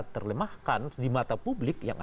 terlemahkan di mata publik yang